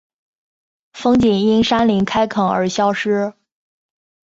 风景因山林开垦而消失